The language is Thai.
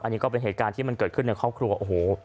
อันนี้ก็เป็นเหตุการณ์ที่มันเกิดขึ้นในครอบครัวโอ้โห